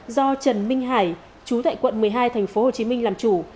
do trần minh hải chú tại quận một mươi hai tp hcm làm chủ